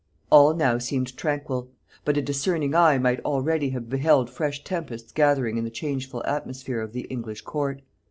All now seemed tranquil: but a discerning eye might already have beheld fresh tempests gathering in the changeful atmosphere of the English court.